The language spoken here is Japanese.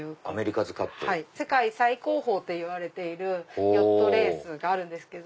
世界最高峰といわれているヨットレースがあるんです。